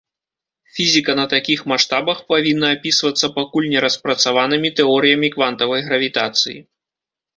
Фізіка на такіх маштабах павінна апісвацца пакуль не распрацаванымі тэорыямі квантавай гравітацыі.